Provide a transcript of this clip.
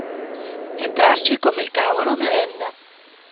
Entrarci come il cavolo a merenda.